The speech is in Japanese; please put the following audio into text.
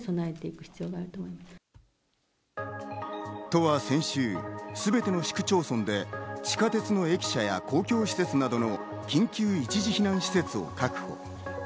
都は先週、すべての市区町村で地下鉄の駅舎や、公共施設などの緊急一時避難施設を確保。